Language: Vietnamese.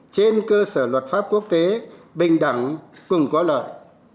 trên cơ sở luật pháp quốc tế bình đẳng cùng có lợi